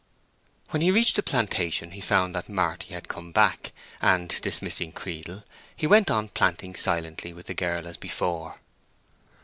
When he reached the plantation he found that Marty had come back, and dismissing Creedle, he went on planting silently with the girl as before.